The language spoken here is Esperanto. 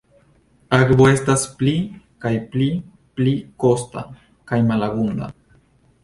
Akvo estas pli kaj pli pli kosta kaj malabunda.